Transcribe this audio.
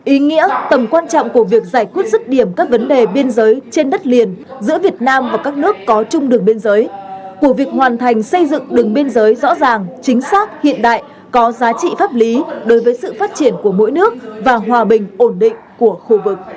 ý nghĩa tầm quan trọng của việc giải quyết rứt điểm các vấn đề biên giới trên đất liền giữa việt nam và các nước có chung đường biên giới của việc hoàn thành xây dựng đường biên giới rõ ràng chính xác hiện đại có giá trị pháp lý đối với sự phát triển của mỗi nước và hòa bình ổn định của khu vực